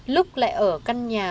lúc lại ở căn nhà